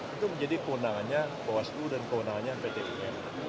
itu menjadi keundangannya bawaslu dan keundangannya pt un